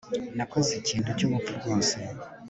Nakoze ikintu cyubupfu rwose